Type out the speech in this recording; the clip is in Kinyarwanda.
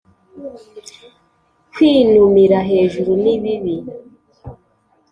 kwinumira hejuru ni bibi